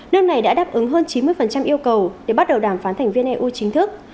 nước này đã đáp ứng hơn chín mươi yêu cầu để bắt đầu đàm phán thành viên eu chính thức